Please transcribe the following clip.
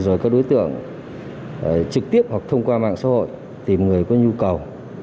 rồi các đối tượng trực tiếp hoặc thông qua mạng xã hội tìm người có nhu cầu